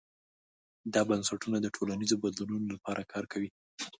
دا بنسټونه د ټولنیزو بدلونونو لپاره کار کوي.